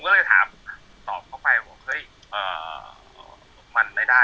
แล้วช่างคนนั้นเนี่ยหมอค่าเครื่องมือ